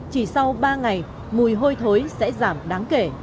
chỉ sau ba ngày mùi hôi thối sẽ giảm đáng kể